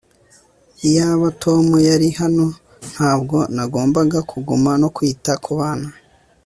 iyaba tom yari hano, ntabwo nagomba kuguma no kwita kubana